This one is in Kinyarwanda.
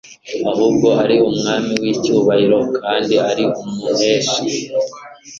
ahubwo ari Umwami w'icyubahiro kandi ari umuneshi;